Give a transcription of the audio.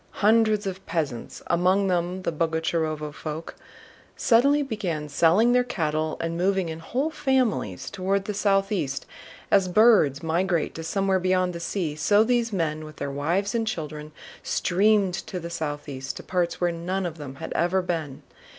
Hundreds of peasants, among them the Boguchárovo folk, suddenly began selling their cattle and moving in whole families toward the southeast. As birds migrate to somewhere beyond the sea, so these men with their wives and children streamed to the southeast, to parts where none of them had ever been.